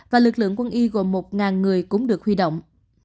và lực lượng quân y gồm một người cũng được huy động